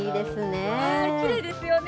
きれいですよね。